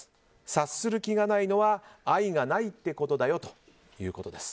察する気がないのは愛がないってことだよということです。